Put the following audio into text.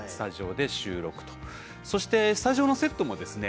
そしてスタジオのセットもですね